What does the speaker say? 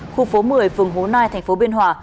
khu phố một mươi phường hồ nai tp biên hòa